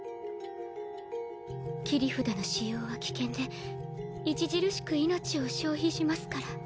切り札の使用は危険で著しく命を消費しますから。